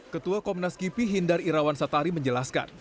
ketua komnas kipi hindar irawan satari menjelaskan